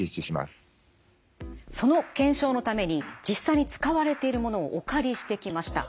その検証のために実際に使われているものをお借りしてきました。